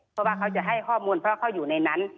เพราะว่าเขาจะให้ข้อมูลเพราะเขาอยู่ในนั้น